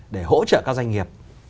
để hỗ trợ các doanh nghiệp